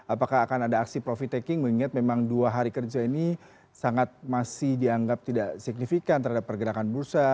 apakah akan ada aksi profit taking mengingat memang dua hari kerja ini sangat masih dianggap tidak signifikan terhadap pergerakan bursa